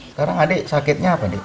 sekarang adik sakitnya apa nih